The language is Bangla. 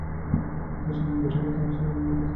তার স্বামী বেরোলে, সে আমার দিকে তাকাবেও না।